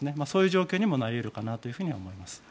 そういう状況にもなり得るかなと思います。